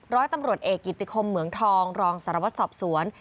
ร้อยตำรวจเอกกิติคมเหมืองทองรองสารวัตรสอบสวน